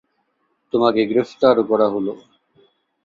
তোমাকে গ্রেপ্তার করা হলো।